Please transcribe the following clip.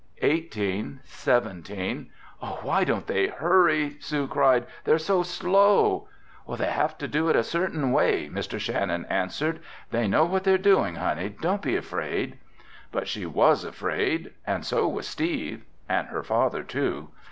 Eighteen—seventeen—" "Why don't they hurry?" Sue cried. "They're so slow!" "They have to do it a certain way," Mr. Shannon answered. "They know what they're doing, Honey. Don't be afraid." But she was afraid. And so was Steve. And her father, too.